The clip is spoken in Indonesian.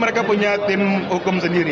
mereka punya tim hukum sendiri